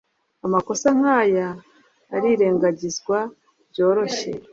amakosa nkaya arirengagizwa byoroshye